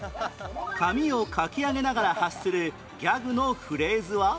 髪をかきあげながら発するギャグのフレーズは？